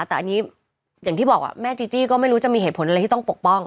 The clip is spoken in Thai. แต่อันนี้อย่างที่บอกแม่จีจี้ก็ไม่รู้จะมีเหตุผลอะไรที่ต้องปกป้อง